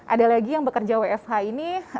ada lagi yang bekerja wfh ini